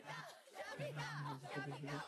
আমাদের খেতেও হবে।